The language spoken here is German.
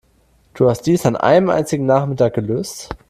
Du hast dies an einem einzigen Nachmittag gelöst?